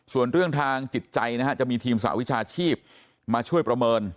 ส่วนเรื่องทางจิตใจนะฮะจะมีทีมสหวิชาชีพมาช่วยประเมิน